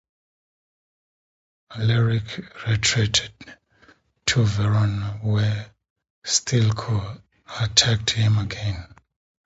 Alaric retreated to Verona, where Stilicho attacked him again.